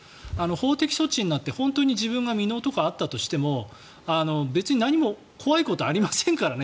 法的措置になって本当に自分が未納とかあったとしても別に何も怖いことはありませんからね。